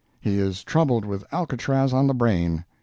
He is troubled with Alcatraz on the brain.